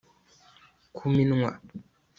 ku minwa